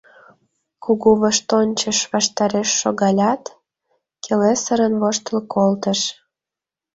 Кугу воштончыш ваштареш шогалят, келесырын воштыл колтыш.